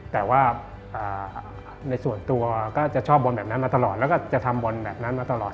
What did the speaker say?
แต่ว่าในส่วนตัวก็จะชอบบนแบบนั้นมาตลอดแล้วก็จะทำบนแบบนั้นมาตลอด